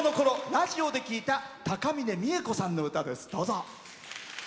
ラジオで聴いた高峰三枝子さんの歌です。